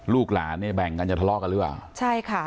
ลูกหลานเนี่ยแบ่งกันจะทะเลาะกันหรือเปล่าใช่ค่ะ